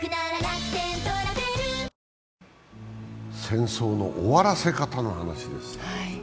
戦争の終わらせ方の話です。